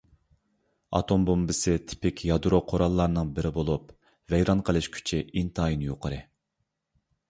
ئاتوم بومبىسى تىپىك يادرو قوراللارنىڭ بىرى بولۇپ، ۋەيران قىلىش كۈچى ئىنتايىن يۇقىرى.